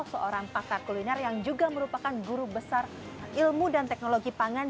seorang pakar kuliner yang juga merupakan guru besar ilmu dan teknologi pangan